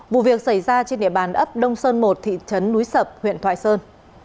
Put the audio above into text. vụ việc xảy ra trên địa bàn ấp đông sơn một thị trấn núi sập huyện thoại sơn